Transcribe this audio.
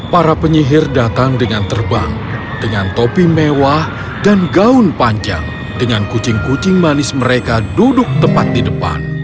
para penyihir datang dengan terbang dengan topi mewah dan gaun panjang dengan kucing kucing manis mereka duduk tepat di depan